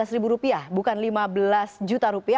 lima belas ribu rupiah bukan lima belas juta rupiah